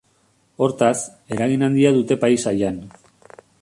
Hortaz, eragin handia dute paisaian.